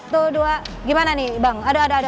tuh dua gimana nih bang aduh aduh aduh